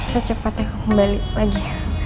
secepatnya kembali lagi